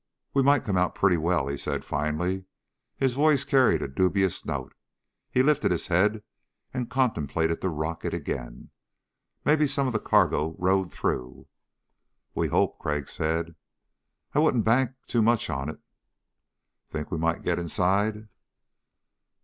"We might come out pretty well," he said finally. His voice carried a dubious note. He lifted his head and contemplated the rocket again. "Maybe some of the cargo rode through." "We hope," Crag said. "I wouldn't bank too much on it." "Think we might get inside?"